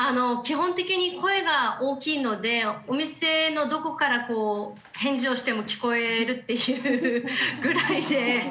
基本的に声が大きいのでお店のどこからこう返事をしても聞こえるっていうぐらいで。